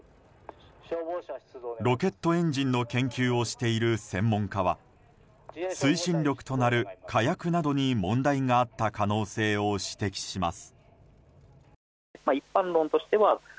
ロケットエンジンの研究をしている専門家は推進力となる火薬などに問題があった可能性を指摘しています。